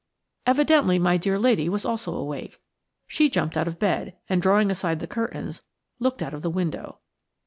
Evidently my dear lady was also awake. She jumped out of bed and, drawing aside the curtains, looked out of the window.